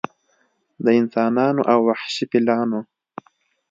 د انسانانو او وحشي فیلانو